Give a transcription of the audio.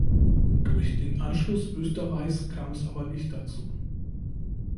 Durch den Anschluss Österreichs kam es aber nicht dazu.